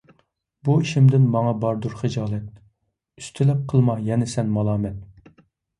بۇ ئىشىمدىن ماڭا باردۇر خىجالەت، ئۈستىلەپ قىلما يەنە سەن مالامەت.